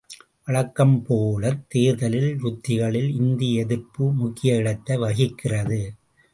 வழக்கம் போலத் தேர்தல் யுத்திகளில் இந்தி எதிர்ப்பு முக்கிய இடத்தை வகிக்கிறது.